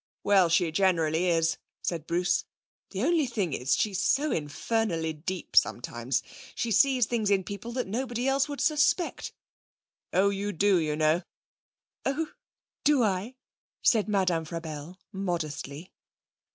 'Well, she generally is,' said Bruce. 'The only thing is she's so infernally deep sometimes, she sees things in people that nobody else would suspect. Oh, you do, you know!' 'Oh, do I?' said Madame Frabelle modestly.